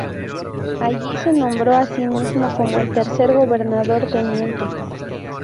Allí, se nombró a sí mismo como el tercer gobernador teniente.